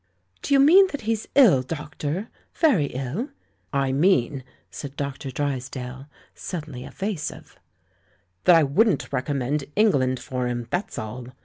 "Do you mean that he's ill, doctor — ^very iU?" "I mean," said Dr. Drysdale, suddenly eva sive, "that I wouldn't recommend England foi* him, that's all.